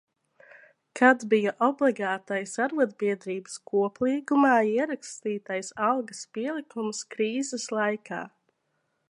Kad bija obligātais, arodbiedrības koplīgumā ierakstītais, algas pielikums, krīzes laikā.